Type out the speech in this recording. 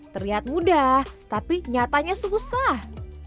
terlihat mudah tapi nyatanya susah